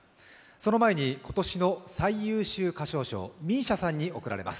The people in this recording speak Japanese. その前に今年の最優秀歌唱賞、ＭＩＳＩＡさんに贈られます。